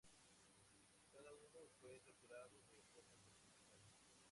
Cada uno fue torturado de forma personalizada.